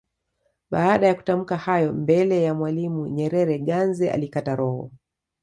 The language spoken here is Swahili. Baada ya kutamka hayo mbele ya Mwalimu Nyerere Ganze alikata roho